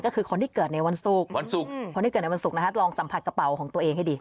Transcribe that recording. ก็คือคนที่เกิดในวันศุกร์วันศุกร์คนที่เกิดในวันศุกร์นะคะลองสัมผัสกระเป๋าของตัวเองให้ดี